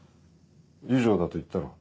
「以上だ」と言ったろ。